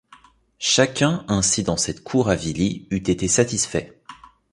Chacun ainsi dans cette cour avilie eût été satisfait.